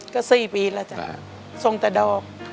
ก็๔ปีแล้วจ้ะทรงแต่ดอก